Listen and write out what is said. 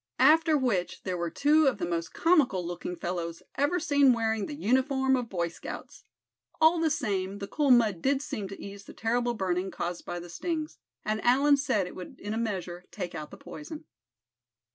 After which there were two of the most comical looking fellows ever seen wearing the uniform of Boy Scouts. All the same, the cool mud did seem to ease the terrible burning caused by the stings, and Allan said it would in a measure take out the poison.